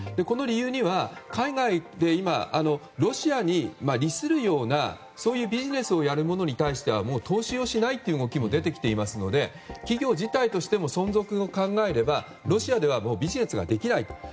この理由には、海外で今ロシアに利するようなそういうビジネスをやる物に対しては投資をしないという動きも出てきていますので企業自体としても存続を考えればロシアではビジネスができないと。